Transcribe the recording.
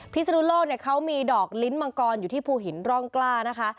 พิศนุโลกเนี่ยเขามีดอกลิ้นมังกรอยู่ที่ภูหินร่องกล้านะคะ